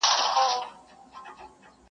دا کمال دي د یوه جنګي نظر دی.